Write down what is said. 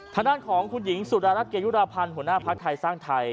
ทางด้านของคุณหญิงสุดารัฐเกยุราพันธ์หัวหน้าภักดิ์ไทยสร้างไทย